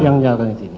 yang benar yang di sini